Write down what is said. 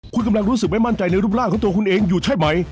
คุณกำลังรู้สึกไม่มั่นใจในรูปร่างของตัวคุณเองอยู่ใช่ไหม